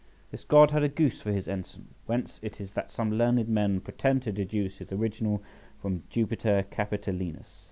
This god had a goose for his ensign, whence it is that some learned men pretend to deduce his original from Jupiter Capitolinus.